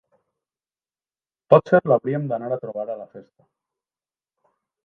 Potser l'hauríem d'anar a trobar a la festa.